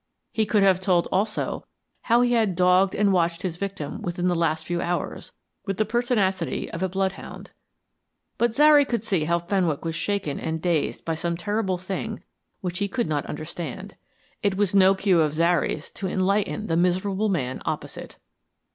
He could have told, also, how he had dogged and watched his victim within the last few hours, with the pertinacity of a bloodhound. But Zary could see how Fenwick was shaken and dazed by some terrible thing which he could not understand. It was no cue of Zary's to enlighten the miserable man opposite.